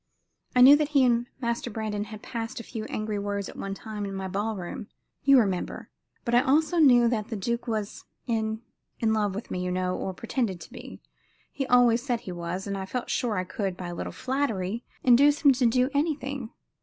"I knew that he and Master Brandon had passed a few angry words at one time in my ball room you remember but I also knew that the duke was in in love with me, you know, or pretended to be he always said he was and I felt sure I could, by a little flattery, induce him to do anything.